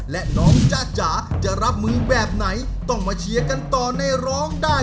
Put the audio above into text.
และน้องจ๊ะจ๋าจะรับมือแบบไหนต้องมาเชียร์กันต่อในร้องได้